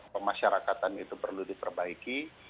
pemasyarakatan itu perlu diperbaiki